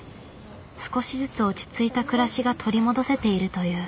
少しずつ落ち着いた暮らしが取り戻せているという。